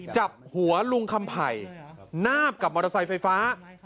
จับหัวลุงคำไผ่นาบกับมอเตอร์ไซค์ไฟฟ้า